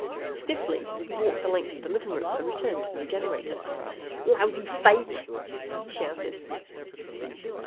Stiffly he walked the length of the living room and returned to the Regenerator. "Lousy fake!" he shouted.